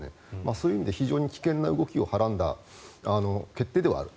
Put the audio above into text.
そういう意味で非常に危険な動きをはらんだ決定ではある。